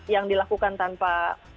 yang dilakukan tanpa